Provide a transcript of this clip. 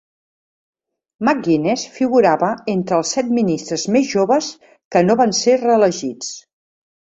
McGuinness figurava entre els set ministres més joves que no van ser reelegits.